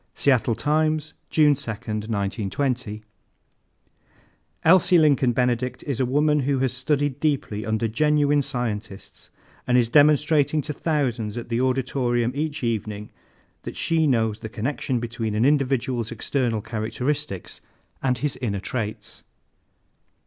Seattle Times, June 2, 1920. "Elsie Lincoln Benedict is a woman who has studied deeply under genuine scientists and is demonstrating to thousands at the Auditorium each evening that she knows the connection between an individual's external characteristics and his inner traits."